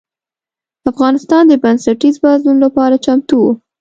افغانستان د بنسټیز بدلون لپاره چمتو و.